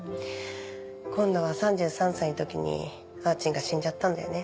今度は３３歳の時にあーちんが死んじゃったんだよね。